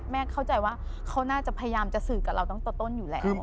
เข้าใจว่าเขาน่าจะพยายามจะสื่อกับเราตั้งแต่ต้นอยู่แล้ว